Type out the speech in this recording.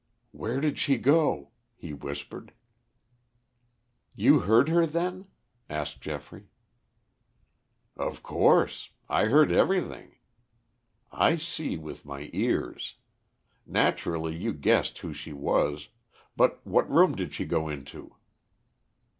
"Where did she go?" he whispered. "You heard her, then?" asked Geoffrey. "Of course, I heard everything. I see with my ears. Naturally you guessed who she was. But what room did she go into?"